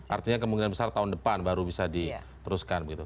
artinya kemungkinan besar tahun depan baru bisa diteruskan begitu